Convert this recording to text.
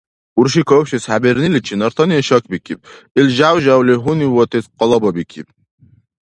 Урши кавшес хӀебирниличи нартани шакбикиб, ил жяв-жявли гьунивватес къалабабикиб.